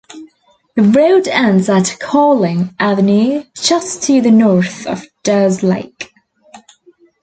The road ends at Carling Avenue, just to the north of Dow's Lake.